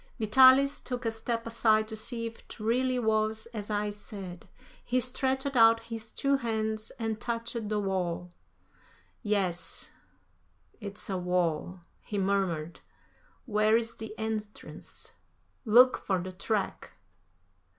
Vitalis took a step aside to see if it really was as I said. He stretched out his two hands and touched the wall. "Yes, it's a wall," he murmured. "Where is the entrance. Look for the track."